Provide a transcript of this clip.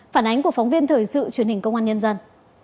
phản ánh của phóng viên thời sự truyền hình công an nhân dân